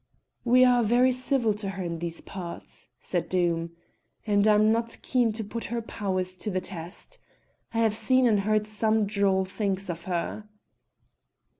"We are very civil to her in these parts," said Doom, "and I'm not keen to put her powers to the test. I have seen and heard some droll things of her."